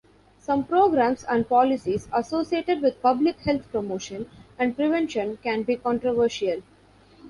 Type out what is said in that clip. Some programs and policies associated with public health promotion and prevention can be controversial.